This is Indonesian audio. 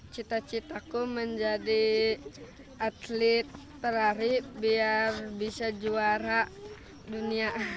cita citaku menjadi atlet perari biar bisa juara dunia